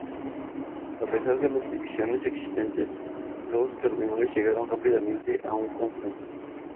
A pesar de las divisiones existentes, los cardenales llegaron rápidamente a un consenso.